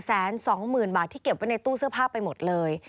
แสนสองหมื่นบาทที่เก็บไว้ในตู้เสื้อผ้าไปหมดเลย